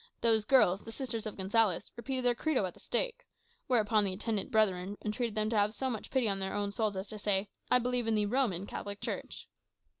Those girls, the sisters of Gonsalez, repeated their Credo at the stake; whereupon the attendant Brethren entreated them to have so much pity on their own souls as to say, 'I believe in the Roman Catholic Church.